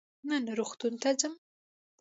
نن روغتون ته ځم.